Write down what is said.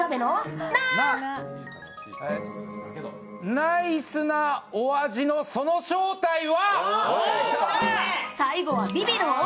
ナイスなお味のその正体は？